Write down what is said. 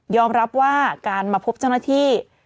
รับว่าการมาพบเจ้าหน้าที่